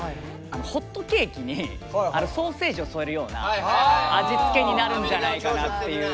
ホットケーキにソーセージを添えるような味付けになるんじゃないかなっていう。